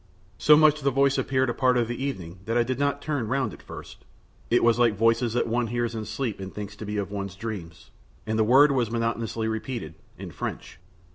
So much the voice appeared a part of the evening that I did not turn round at first; it was like voices that one hears in sleep and thinks to be of one's dream. And the word was monotonously repeated, in French.